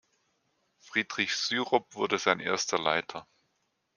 Friedrich Syrup wurde sein erster Leiter.